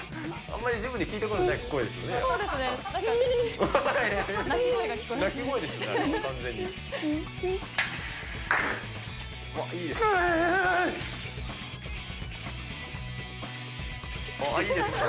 あんまりジムで聞いたことなそうですね、なんか。